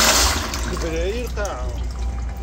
Tessebleɛ-iyi lqaɛa.